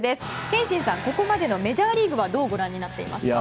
憲伸さん、ここまでのメジャーリーグはどうご覧になっていますか？